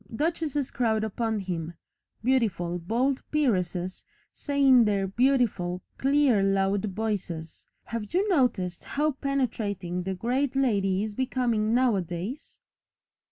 Duchesses crowd upon him, beautiful, bold peeresses say in their beautiful, clear loud voices have you noticed how penetrating the great lady is becoming nowadays?